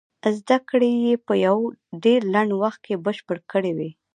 زدکړې يې په يو ډېر لنډ وخت کې بشپړې کړې وې.